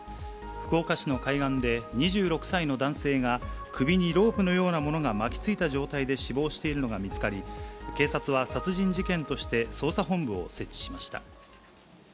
福岡市の海岸で、２６歳の男性が首にロープのようなものが巻きついた状態で死亡しているのが見つかり、警察は殺人事件として捜査本部を設置しました。